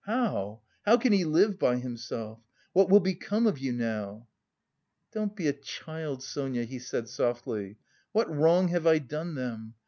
How, how can he live by himself! What will become of you now?" "Don't be a child, Sonia," he said softly. "What wrong have I done them?